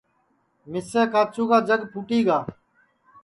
مِسے کاچُو کا جگ پُھوٹی گا